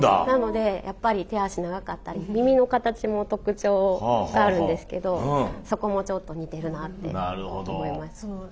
なのでやっぱり手足長かったり耳の形も特徴があるんですけどそこもちょっと似てるなって思いました。